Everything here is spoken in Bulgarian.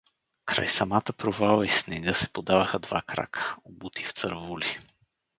Край самата провала из снега се подаваха два крака, обути в цървули.